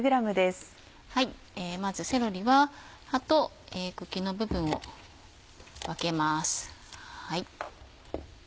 まずセロリは葉と茎の部分を分けます。